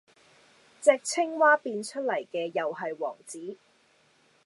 隻青蛙變出嚟嘅又系王子!